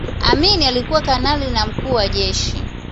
amini alikuwa kanali na mkuu wa jeshi